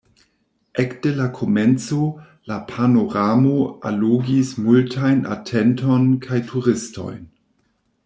Ekde la komenco, la panoramo allogis multajn atenton kaj turistojn.